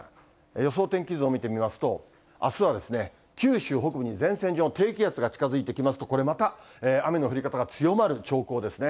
予想天気図を見てみますと、あすは九州北部に前線上、低気圧が近づいてきますと、これまた、雨の降り方が強まる兆候ですね。